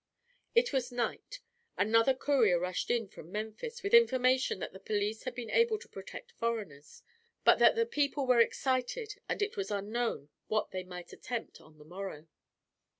It was night. Another courier rushed in from Memphis with information that the police had been able to protect foreigners, but that the people were excited and it was unknown what they might attempt on the morrow.